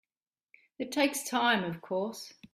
It takes time of course.